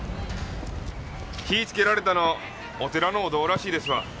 火つけられたのお寺のお堂らしいですわ。